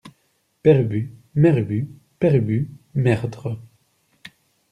père ubu, mère ubu Père Ubu Merdre.